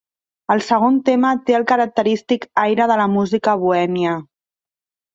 El segon tema té el característic aire de la música bohèmia.